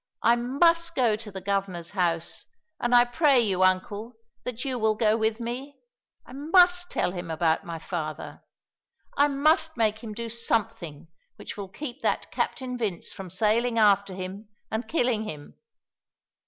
I must go to the Governor's house, and I pray you, uncle, that you will go with me. I must tell him about my father. I must make him do something which shall keep that Captain Vince from sailing after him and killing him.